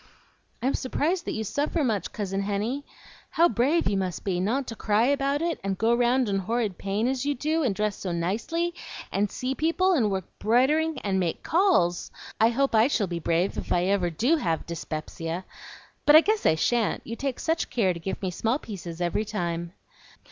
"I'm s'prised that you suffer much, Cousin Henny. How brave you must be, not to cry about it, and go round in horrid pain, as you do, and dress so nicely, and see people, and work 'broidering, and make calls! I hope I shall be brave if I ever DO have 'spepsia; but I guess I shan't, you take such care to give me small pieces every time."